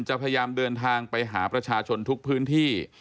จะพยายามเดินทางไปหาประชาชนทุกพื้นที่